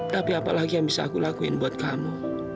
tapi apa lagi yang bisa aku lakuin buat kamu